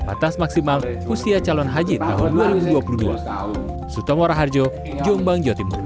batas maksimal usia calon haji tahun dua ribu dua puluh dua